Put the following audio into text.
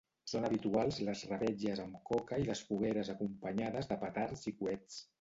Són habituals les revetlles amb coca i les fogueres acompanyades de petards i coets.